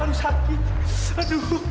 aduh sakit aduh